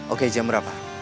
oke jam berapa